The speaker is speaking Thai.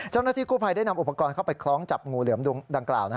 เจ้าหน้าที่กู้ภัยได้นำอุปกรณ์เข้าไปคล้องจับงูเหลือมดังกล่าว